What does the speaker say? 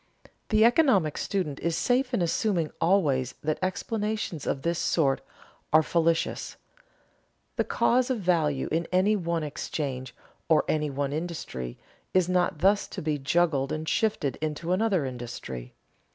The economic student is safe in assuming always that explanations of this sort are fallacious. The cause of value in any one exchange or any one industry is not thus to be juggled and shifted into another industry.